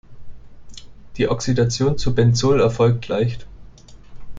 Die Oxidation zu Benzol erfolgt leicht.